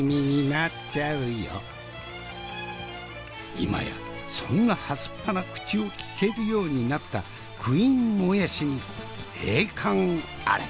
今やそんなはすっぱな口を聞けるようになったクイーンもやしに栄冠あれ。